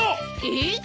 えっ！？